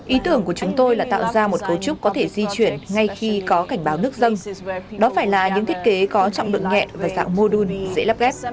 ý tưởng của chúng tôi là tạo ra một cấu trúc có thể di chuyển ngay khi có cảnh báo nước dân đó phải là những thiết kế có trọng lượng nhẹ và dạng mô đun dễ lắp ghép